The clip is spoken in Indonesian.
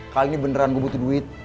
kali ini beneran gue butuh duit